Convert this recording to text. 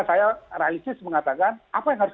saya realistis mengatakan apa yang harus